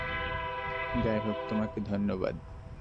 যাইহোক, তোমাকে ধন্যবাদ।